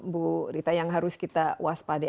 bu rita yang harus kita waspadai